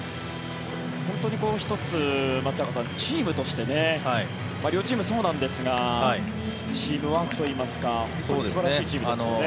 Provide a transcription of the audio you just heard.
本当に１つ、松坂さんチームとして両チームそうなんですがチームワークといいますか素晴らしいチームですよね。